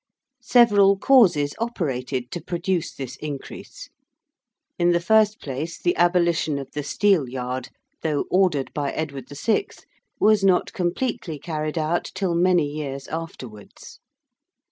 Several causes operated to produce this increase. In the first place the abolition of the Steelyard, though ordered by Edward VI., was not completely carried out till many years afterwards.